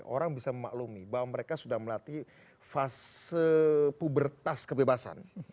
orang bisa memaklumi bahwa mereka sudah melatih fase pubertas kebebasan